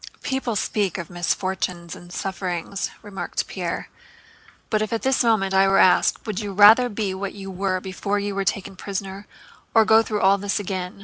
"People speak of misfortunes and sufferings," remarked Pierre, "but if at this moment I were asked: 'Would you rather be what you were before you were taken prisoner, or go through all this again?